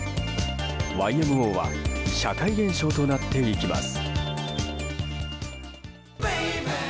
ＹＭＯは社会現象となっていきます。